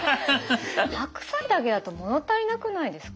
白菜だけだと物足りなくないですか。